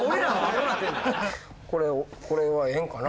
これはええんかな？